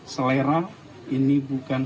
selera ini bukan